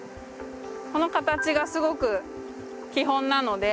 この形がすごく基本なので。